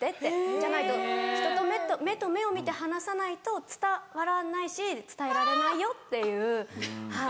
じゃないと人と目と目を見て話さないと伝わらないし伝えられないよっていうはい。